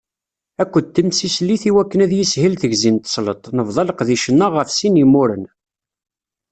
Akked temsislit i wakken ad yishil tegzi n tesleḍt, nebḍa leqdic-nneɣ ɣef sin yimuren.